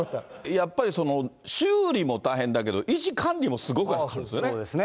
やっぱりその、修理も大変だけど、維持、管理もすごく大変でそうですね。